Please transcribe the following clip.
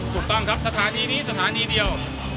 ถูกต้องครับสถานีนี้สถานีเดียว